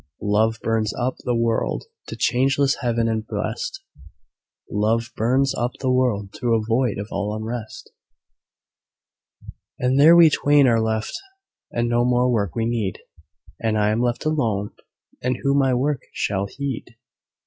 Love burns up the world to changeless heaven and blest, "Love burns up the world to a void of all unrest." And there we twain are left, and no more work we need: "And I am left alone, and who my work shall heed?" Ah!